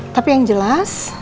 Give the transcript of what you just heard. tapi yang jelas